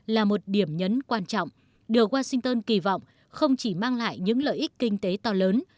là một điểm nhấn quan trọng được washington kỳ vọng không chỉ mang lại những lợi ích kinh tế to lớn